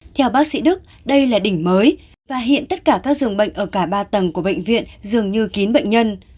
theo bác sĩ đức đây là đỉnh mới và hiện tất cả các dường bệnh ở cả ba tầng của bệnh viện dường như kín bệnh nhân